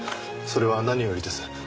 それは何よりです。